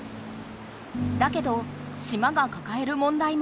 だけど島がかかえる問題もある。